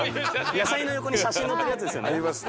野菜の横に写真載ってるやつですよね。